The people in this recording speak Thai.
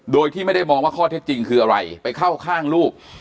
โดยที่ไม่ได้มองว่าข้อเท็จจริงคืออะไรไปเข้าข้างลูก